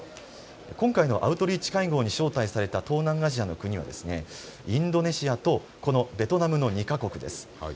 今回のアウトリーチ会合に招待された東南アジアの国はインドネシアとこのベトナムの２か国です。